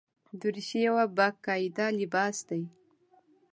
دریشي یو باقاعده لباس دی.